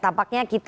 ya tampaknya kita